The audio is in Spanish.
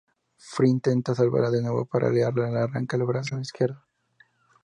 Fry intenta salvarla de nuevo pero Leela le arranca el brazo izquierdo.